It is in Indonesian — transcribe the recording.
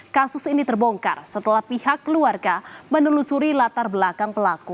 kasus ini terbongkar setelah pihak keluarga menelusuri latar belakang pelaku